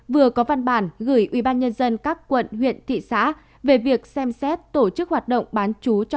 vừa có văn bản gửi ubnd các quận huyện thị xã về việc xem xét tổ chức hoạt động bán chú cho